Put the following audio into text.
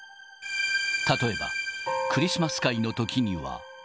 例えばクリスマス会のときには。